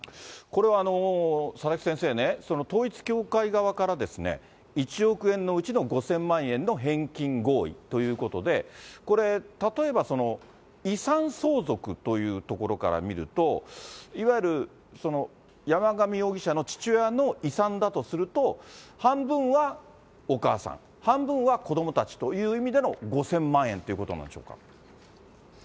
これは佐々木先生ね、統一教会側からですね、１億円のうちの５０００万円の返金合意ということで、これ、例えば遺産相続というところから見ると、いわゆる山上容疑者の父親の遺産だとすると、半分はお母さん、半分は子どもたちという意味での５０００万円ということなんでしょうか。